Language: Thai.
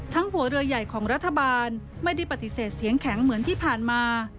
หัวเรือใหญ่ของรัฐบาลไม่ได้ปฏิเสธเสียงแข็งเหมือนที่ผ่านมา